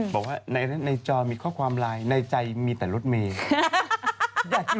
บอกว่าในจอมีข้อความไลน์ในใจมีแต่รถเมย์